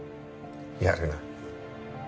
やるな。